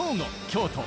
京都